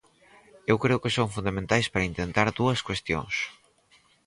Eu creo que son fundamentais para intentar dúas cuestións.